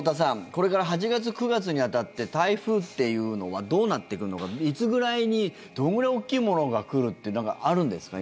これから８月、９月に当たって台風っていうのはどうなってくるのかいつぐらいにどんぐらい大きいものが来るっていうのがあるんですか？